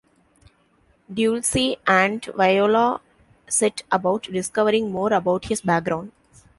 Dulcie and Viola set about discovering more about his background.